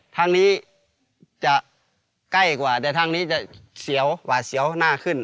ทางนี้จะใกล้กว่าแต่ทางนี้จะเสียวหวาดเสียวหน้าขึ้น